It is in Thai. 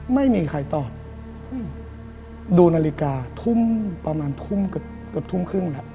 ไม่มีใครตอบดูนาฬิกาทุ่มประมาณทุ่มเกือบทุ่มครึ่งแล้ว